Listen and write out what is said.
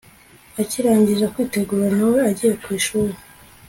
akirangiza kwitegura nawe agiye kwishuri